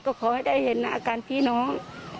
ก็ขอให้ได้เห็นอาการพี่น้อง